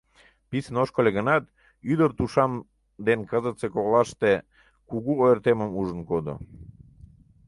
Писын ошкыльо гынат, ӱдыр тушам ден кызытсе коклаште кугу ойыртемым ужын кодо.